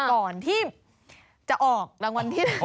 ก่อนที่จะออกรางวัลที่๑